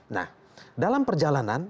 nah dalam perjalanan